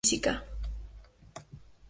Se licenció en educación física.